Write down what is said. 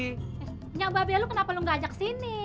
eh nyampe abia lu kenapa lu gak ajak sini